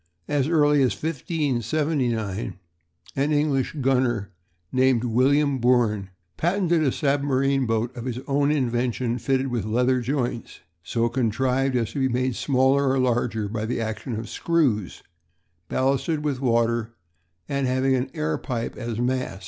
As early as 1579 an English gunner named William Bourne patented a submarine boat of his own invention fitted with leather joints, so contrived as to be made smaller or larger by the action of screws, ballasted with water, and having an air pipe as mast.